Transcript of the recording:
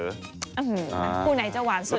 คู่ไหนจะหวานสุด